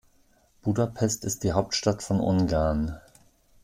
Budapest ist die Hauptstadt von Ungarn.